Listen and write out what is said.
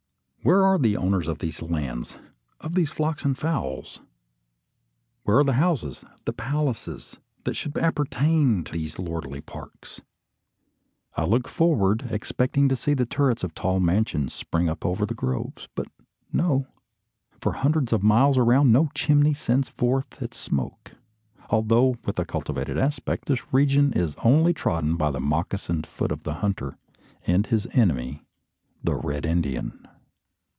Where are the owners of these lands, of these flocks and fowls? Where are the houses, the palaces, that should appertain to these lordly parks? I look forward, expecting to see the turrets of tall mansions spring up over the groves. But no. For hundreds of miles around no chimney sends forth its smoke. Although with a cultivated aspect, this region is only trodden by the moccasined foot of the hunter, and his enemy, the Red Indian.